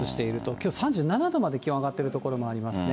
きょう３７度まで気温上がっている所もありますね。